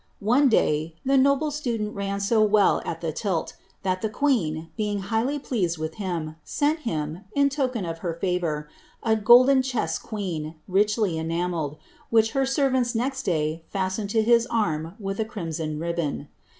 One day, the noble student ran so lit, that the queen, being highly pleased with him, sent him, her &vour, a golden chess queen, richly enamelled, which next day fastened to his arm with a crimson ribbon.